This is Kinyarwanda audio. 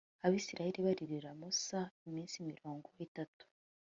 abayisraheli baririra musa iminsi mirongo itatu